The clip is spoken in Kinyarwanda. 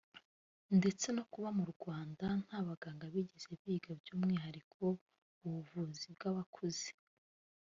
ndetse no kuba mu Rwanda nta baganga bigeze biga by’umwihariko ubuvuzi bw’abakuze (geriatric medicine)